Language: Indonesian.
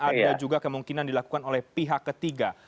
ada juga kemungkinan dilakukan oleh pihak ketiga